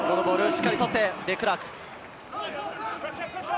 しっかり取って、デクラーク。